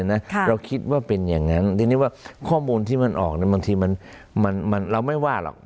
นะเราคิดว่าเป็นอย่างงั้นที่นี่ว่าข้อมีมันออกในบางทีมันมันมันเราไม่ว่าหรอก